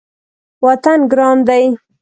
وطن ګران وي